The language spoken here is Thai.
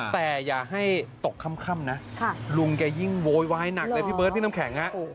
แต่อย่าให้ตกค่ำนะลุงแกยิ่งโวยวายหนักเลยพี่เบิร์ดพี่น้ำแข็ง